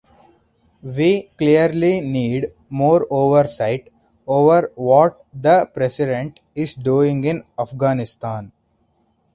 We clearly need more oversight over what the president is doing in Afghanistan.